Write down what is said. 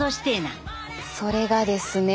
それがですね。